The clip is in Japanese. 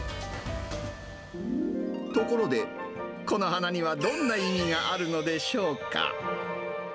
ところで、この花にはどんな意味があるのでしょうか。